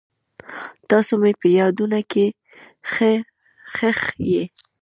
تاسو مې په یادونو کې ښخ یئ.